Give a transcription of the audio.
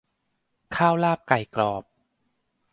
ข้าวลาบไก่กรอบ